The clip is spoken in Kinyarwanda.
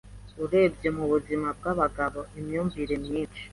Urebye mubuzima bwabagabo imyumvire myinshi